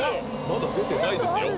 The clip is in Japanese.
まだ出てないですよ